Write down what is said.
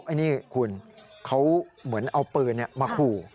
โอเคคุณเขาเหมือนเอาปืนมาขู่